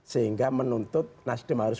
sehingga menuntut nasdem harus